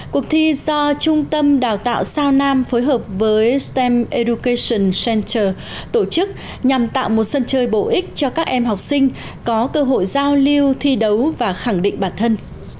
cuộc thi do trung tâm đào tạo sao nam phối hợp với stem education center tổ chức nhằm tạo một sân chơi bổ ích cho các em học sinh có cơ hội giao lưu thi đấu và khẳng định bản thân